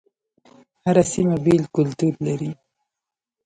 هر سيمه بیل کلتور لري